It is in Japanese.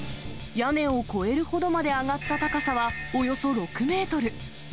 屋根を越えるほどまで上がった高さは、およそ６メートル。